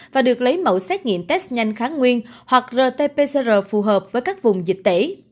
và được lấy mẫu xét nghiệm test nhanh kháng nguyên hoặc rt pcr phù hợp với các vùng dịch tễ